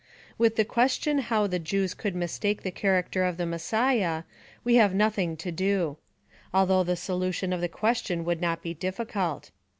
With the question how the Jews could mistake the character of the Messiah, we have nothing to do ; although the solution of the ques tion would not be difficult.